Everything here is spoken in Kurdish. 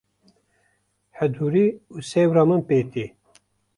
hedûrî û sewra min pê tê.